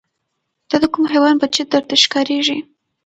دا د کوم حیوان بچی درته ښکاریږي